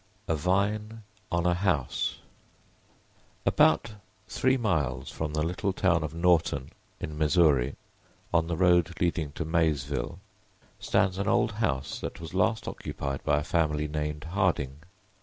A VINE ON A HOUSE ABOUT three miles from the little town of Norton, in Missouri, on the road leading to Maysville, stands an old house that was last occupied by a family named Harding.